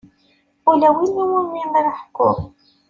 Ula win iwumi ara ḥkuɣ.